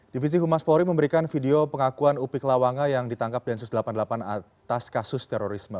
divisi humas polri memberikan video pengakuan upik lawanga yang ditangkap densus delapan puluh delapan atas kasus terorisme